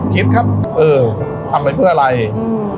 คิดครับเออทำไปเพื่ออะไรอืม